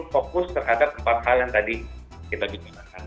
fokus terhadap empat hal yang tadi saya bicarakan mbak